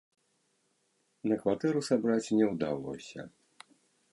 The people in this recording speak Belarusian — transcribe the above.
На кватэру сабраць не ўдалося.